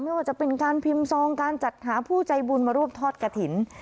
ไม่ว่าจะเป็นการพิมพ์ซองการจัดหาผู้ใจบุญมารวบทอดกระถิ่น